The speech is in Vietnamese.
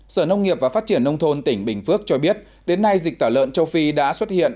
sở nông nghiệp và phát triển nông thôn tỉnh bình phước cho biết đến nay dịch tả lợn châu phi đã xuất hiện